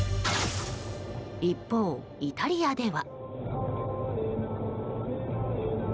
一方、イタリアでは。